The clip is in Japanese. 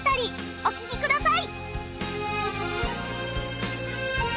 お聴きください。